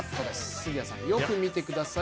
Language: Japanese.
杉谷さん、よく見てください。